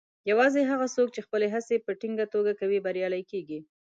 یوازې هغه څوک چې خپلې هڅې په ټینګه توګه کوي، بریالي کیږي.